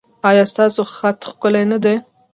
ایا ستاسو خط ښکلی نه دی؟